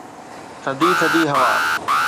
ٿڌي ٿڌي هوا